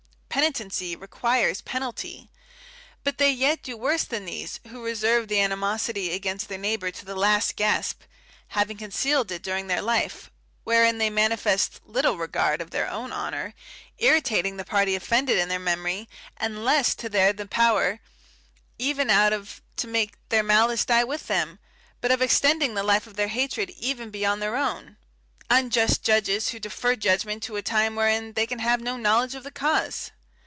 Penitency requires penalty; but they yet do worse than these, who reserve the animosity against their neighbour to the last gasp, having concealed it during their life; wherein they manifest little regard of their own honour, irritating the party offended in their memory; and less to their the power, even out of to make their malice die with them, but extending the life of their hatred even beyond their own. Unjust judges, who defer judgment to a time wherein they can have no knowledge of the cause!